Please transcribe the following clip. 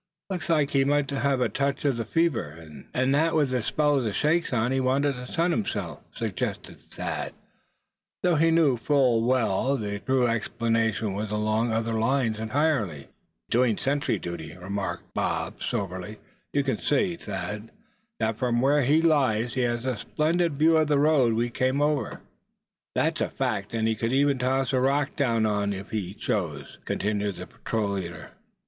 "Looks like he might have a touch of the fever and ague, and that with a spell of the shakes on, he wanted to sun himself," suggested Thad; though he knew full well the true explanation was along other lines entirely. "He's doing sentry duty," remarked Bob, soberly. "You can see, Thad, that from where he lies he has a splendid view of the road we came over?" "That's a fact, and could even toss a rock down on it if he chose," continued the patrol leader.